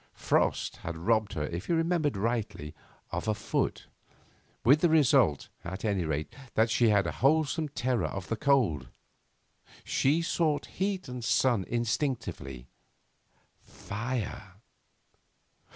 Frost had robbed her, if he remembered rightly, of a foot with the result, at any rate, that she had a wholesome terror of the cold. She sought heat and sun instinctively fire.